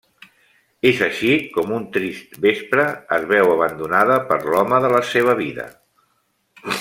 És així com un trist vespre, es veu abandonada per l'home de la seva vida.